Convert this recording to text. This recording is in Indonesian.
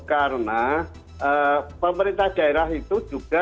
karena pemerintah daerah itu juga